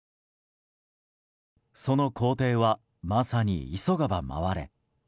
その行程はまさに急がば回れ。